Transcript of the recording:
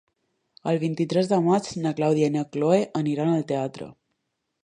El vint-i-tres de maig na Clàudia i na Cloè aniran al teatre.